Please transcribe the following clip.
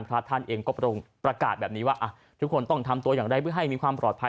พระท่านเองก็ประกาศแบบนี้ว่าทุกคนต้องทำตัวอย่างไรเพื่อให้มีความปลอดภัย